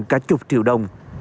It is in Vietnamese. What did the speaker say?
cả chục triệu đồng